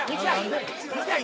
見たい？